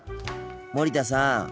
森田さん。